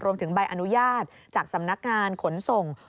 ใบอนุญาตจากสำนักงานขนส่ง